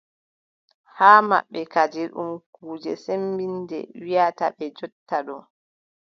Haa maɓɓe kadi ɗum kuuje sembinnde wiʼɗaa ɓe jonta ɗo.